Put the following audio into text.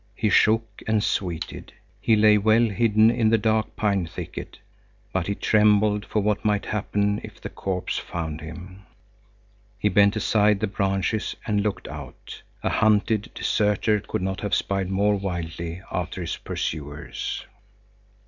He shook and sweated. He lay well hidden in the dark pine thicket; but he trembled for what might happen if the corpse found him. He bent aside the branches and looked out. A hunted deserter could not have spied more wildly after his pursuers.